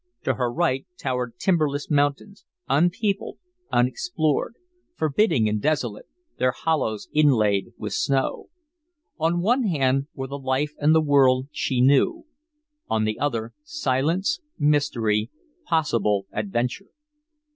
To her right towered timberless mountains, unpeopled, unexplored, forbidding, and desolate their hollows inlaid with snow. On one hand were the life and the world she knew; on the other, silence, mystery, possible adventure.